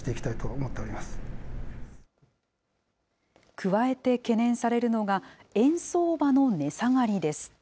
加えて懸念されるのが、円相場の値下がりです。